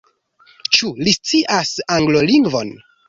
Ĉu li scias Anglolingvon?